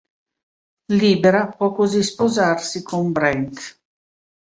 Libera, può così sposarsi con Brent.